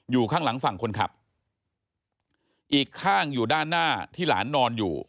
อยู่ข้างหลังฝั่งคนขับอีกข้างอยู่ด้านหน้าที่หลานนอนอยู่